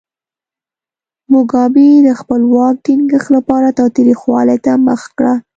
موګابي د خپل واک ټینګښت لپاره تاوتریخوالي ته مخه کړه.